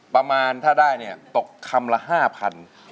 ประมาณถ้าได้เหมือนถ่อกคำละ๕๐๐๐